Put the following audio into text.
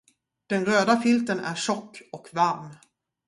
Den röda filten är tjock och varm.